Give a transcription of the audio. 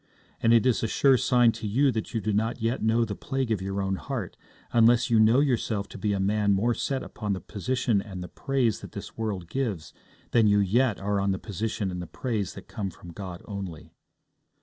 And it is a sure sign to you that you do not yet know the plague of your own heart, unless you know yourself to be a man more set upon the position and the praise that this world gives than you yet are on the position and the praise that come from God only.